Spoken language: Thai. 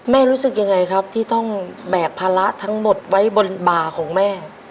รู้สึกยังไงครับที่ต้องแบกภาระทั้งหมดไว้บนบ่าของแม่